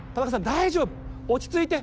大丈夫落ち着いて。